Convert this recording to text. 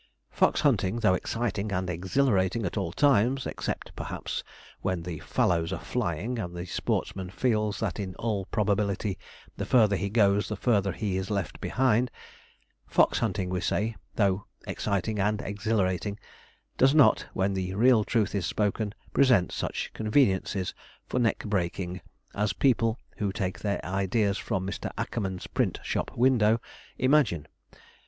Fox hunting, though exciting and exhilarating at all times, except, perhaps, when the 'fallows are flying,' and the sportsman feels that in all probability, the further he goes the further he is left behind Fox hunting, we say, though exciting and exhilarating, does not, when the real truth is spoken, present such conveniences for neck breaking, as people, who take their ideas from Mr. Ackermann's print shop window, imagine.